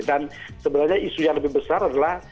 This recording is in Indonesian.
dan sebenarnya isu yang lebih besar adalah